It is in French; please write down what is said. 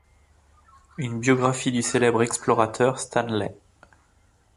Une biographie du célèbre explorateur Stanley.